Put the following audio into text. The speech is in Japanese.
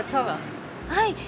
はい。